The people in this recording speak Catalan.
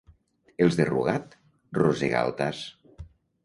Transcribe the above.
Els de Rugat, rosegaaltars.